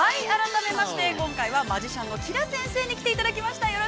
改めまして、今回は、マジシャンのＫｉＬａ先生に来ていただきました。